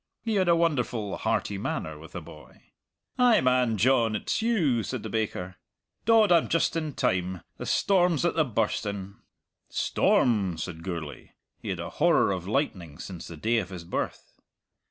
He had a wonderful hearty manner with a boy. "Ay man, John, it's you," said the baker. "Dod, I'm just in time. The storm's at the burstin'!" "Storm!" said Gourlay. He had a horror of lightning since the day of his birth.